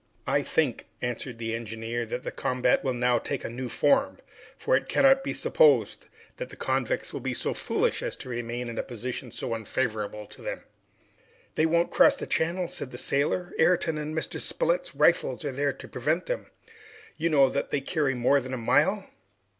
"I think," answered the engineer, "that the combat will now take a new form, for it cannot be supposed that the convicts will be so foolish as to remain in a position so unfavorable for them!" "They won't cross the channel," said the sailor. "Ayrton and Mr. Spilett's rifles are there to prevent them. You know that they carry more than a mile!"